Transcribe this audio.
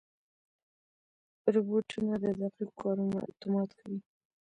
روبوټونه د دقیقو کارونو اتومات کوي.